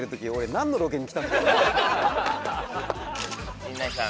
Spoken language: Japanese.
陣内さん